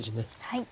はい。